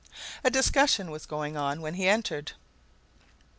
A discussion was going on when he entered.